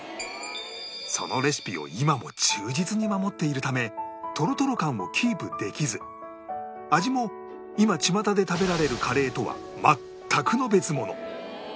そのレシピを今も忠実に守っているためトロトロ感をキープできず味も今ちまたで食べられるカレーとは全くの別物